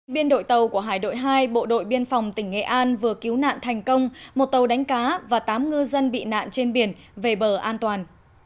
biên đội tàu của hải đội hai bộ đội biên phòng tỉnh nghệ an vừa cứu nạn thành công một tàu đánh cá và tám ngư dân bị nạn trên biển về bờ an toàn